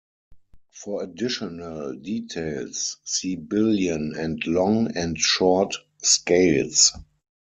For additional details, see billion and long and short scales.